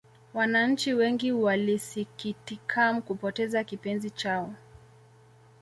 Wananchi wengi walisikitikam kupoteza kipenzi chao